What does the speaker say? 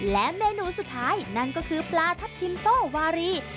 และเมนูสุดท้ายนั่นก็คือปลาทับทิมโต้วารี